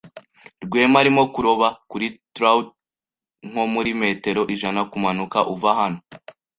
Rwema arimo kuroba kuri trout nko muri metero ijana kumanuka uva hano.